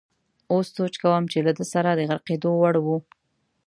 اوس سوچ کوم چې له ده سره د غرقېدو وړ وو.